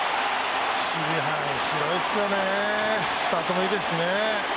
守備範囲広いですねスタートもいいですしね。